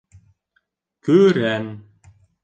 Көрән